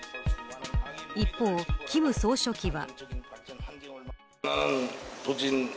一方、金総書記は。